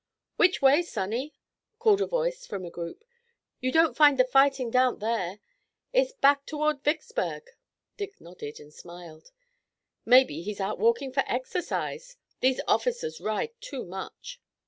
"Which way, sonny?" called a voice from a group. "You don't find the fighting down there. It's back toward Vicksburg." Dick nodded and smiled. "Maybe he's out walking for exercise. These officers ride too much."